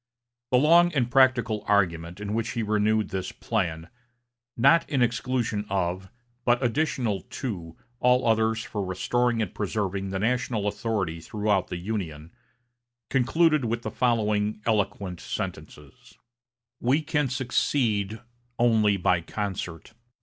The long and practical argument in which he renewed this plan, "not in exclusion of, but additional to, all others for restoring and preserving the national authority throughout the Union," concluded with the following eloquent sentences: "We can succeed only by concert.